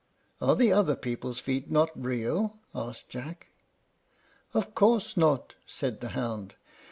"Are the other people's feet not real?" asked Jack. "Of course not," said the hound.